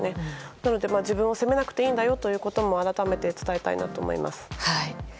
なので、自分を責めなくていいんだよということも改めて伝えたいと思います。